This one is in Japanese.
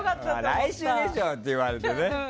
来週でしょって言われてね。